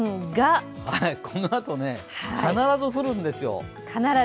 このあと、必ず降るんですよ。